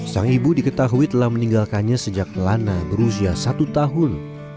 sang ibu diketahui telah meninggalkannya sejak lana berusia satu tahun